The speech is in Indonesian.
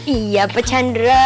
iya pak chandra